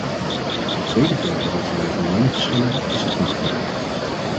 Het tweede punt waarover wij van mening verschillen is het nachtwerk.